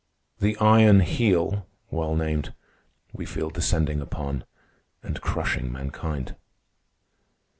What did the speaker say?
The Iron Heel (well named) we feel descending upon and crushing mankind.